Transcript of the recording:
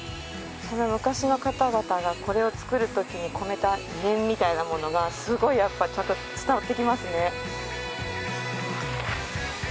昔の方々がこれを造るときに込めた念みたいなものがすごいやっぱちゃんと伝わってきますね。